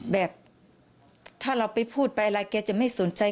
แบบถ้าเราไปพูดไปอะไรแกจะไม่สนใจ